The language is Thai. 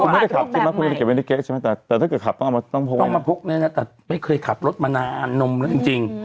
คุณไม่ได้ขับคุณไม่ได้เก็บไว้ในเก๊ใช่ไหมแต่แต่ถ้าเกิดขับต้องเอามาต้องพกไว้ต้องเอามาพกไว้นะแต่ไม่เคยขับรถมานานนมแล้วจริงจริง